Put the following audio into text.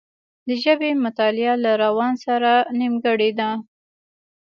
د ژبې مطالعه له روان سره نېمګړې ده